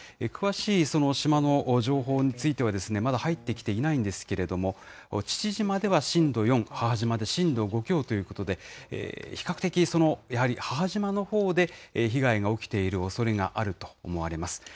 詳しいその島の情報については、まだ入ってきていないんですけれども、父島では震度４、母島で震度５強ということで、比較的、やはり母島のほうで被害が起きているおそれがあると思われます。